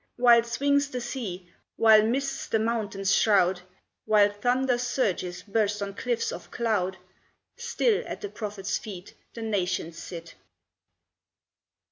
While swings the sea, while mists the mountains shroud, While thunder's surges burst on cliffs of cloud, Still at the prophets' feet the nations sit.